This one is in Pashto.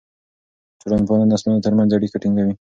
ټولنپوهنه د نسلونو ترمنځ اړیکه ټینګوي.